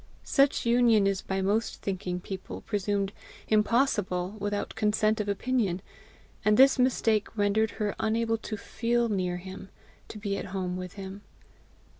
Such union is by most thinking people presumed impossible without consent of opinion, and this mistake rendered her unable to FEEL near him, to be at home with him.